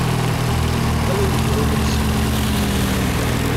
Ad ak-d-geɣ imensi.